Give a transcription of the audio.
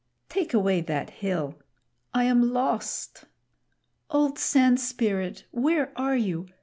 "Take away that hill!" "I am lost!" "Old Sand Spirit, where are you?